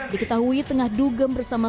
diketahui tengah dugem bersama